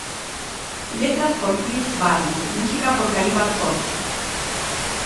Letras por Chris Barnes, musica por Cannibal Corpse.